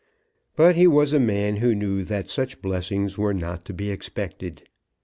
But he was a man who knew that such blessings were not to be expected.